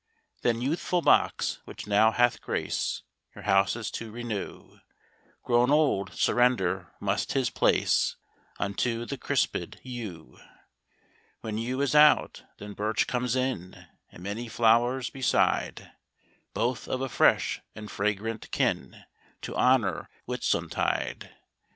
Then youthful box, which now hath grace Your houses to renew, Grown old, surrender must his place Unto the crisped yew. When yew is out, then birch comes in, And many flowers beside, Both of a fresh and fragrant kin, To honour Whitsuntide.